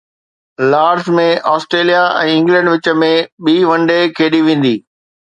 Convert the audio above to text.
Lord's ۾ Australia ۽ England وچ ۾ ٻي one day کيڏي ويندي